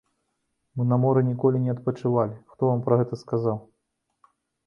Мы на моры ніколі не адпачывалі, хто вам пра гэта сказаў?